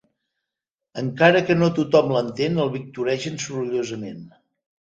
Encara que no tothom l'entén el victoregen sorollosament.